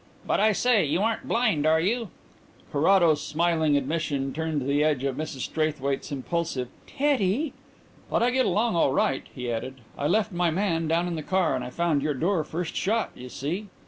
"But, I say, you are blind, aren't you?" Carrados's smiling admission turned the edge of Mrs Straithwaite's impulsive, "Teddy!" "But I get along all right," he added. "I left my man down in the car and I found your door first shot, you see."